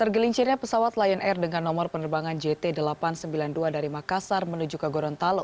tergelincirnya pesawat lion air dengan nomor penerbangan jt delapan ratus sembilan puluh dua dari makassar menuju ke gorontalo